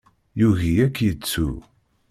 Yugi ad k-yettu.